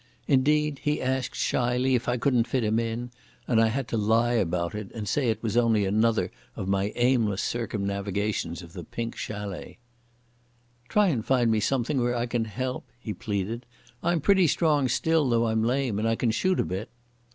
Indeed he asked shyly if I couldn't fit him in, and I had to lie about it and say it was only another of my aimless circumnavigations of the Pink Chalet. "Try and find something where I can help," he pleaded. "I'm pretty strong still, though I'm lame, and I can shoot a bit."